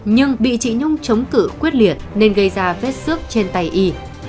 nhưng bị chị nhung chống cử quyết liệt nên gây ra vết xước trên tay y